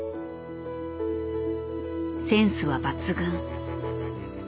センスは抜群。